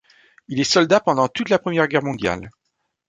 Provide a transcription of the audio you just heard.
Il est soldat pendant toute la Première Guerre mondiale.